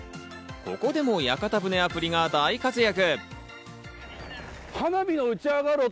ここでも屋形船アプリが大活躍。